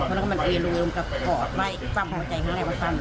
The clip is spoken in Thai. มันกลยรูมกับบ่อจะป้ามหัวใจครั้งแรกว่าป้ามนั้น